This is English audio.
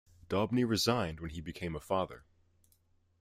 Daubney resigned when he became a father.